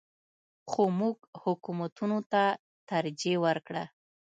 خو موږ حکومتونو ته ترجیح ورکړه.